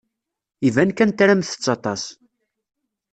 Iban kan tramt-tt aṭas.